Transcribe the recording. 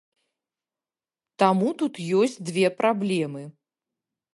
Таму тут ёсць дзве праблемы.